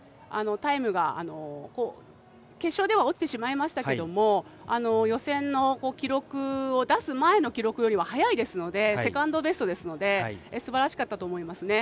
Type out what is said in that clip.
タイムが決勝では落ちてしまいましたけども予選の記録を出す前の記録よりは速いですのでセカンドベストですのですばらしかったと思いますね。